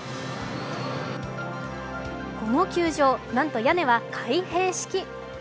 この球場、なんと屋根は開閉式。